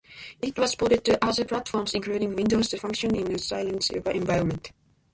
It was ported to other platforms, including Windows, to function in a client-server environment.